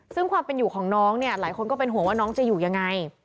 ซึ่งความเป็นอยู่ของน้องเนี่ยหลายคนก็เป็นห่วงว่าน้องจะอยู่ยังไง